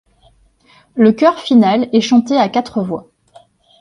Le chœur final est chanté à quatre voix.